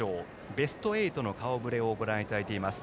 ベスト８の顔ぶれをご覧いただいています。